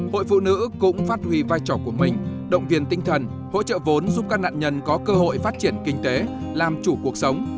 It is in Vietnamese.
hội phụ nữ cũng phát huy vai trò của mình động viên tinh thần hỗ trợ vốn giúp các nạn nhân có cơ hội phát triển kinh tế làm chủ cuộc sống